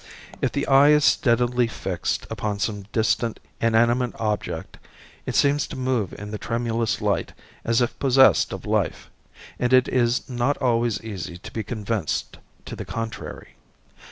If the eye is steadily fixed upon some distant inanimate object, it seems to move in the tremulous light as if possessed of life, and it is not always easy to be convinced to the contrary.